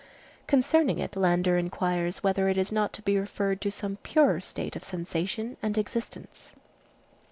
Concerning it Landor inquires "whether it is not to be referred to some purer state of sensation and existence."